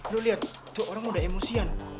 lo lihat itu orang udah emosian